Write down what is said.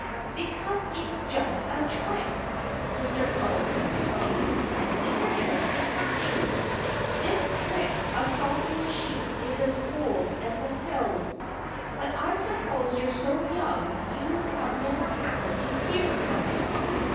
"Because it's just a trick!" Mr. Crow explained. "It's a trick to catch you. This trick of salting the sheep is as old as the hills. But I suppose you're so young you never have happened to hear of it.